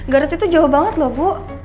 garut itu jauh banget loh bu